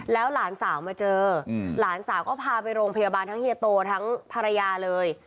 แล้วหลานสาวมาเจอหลานสาวก็พาไปโรงพยาบาลทั้งเฮียโตทั้งภรรยาเลย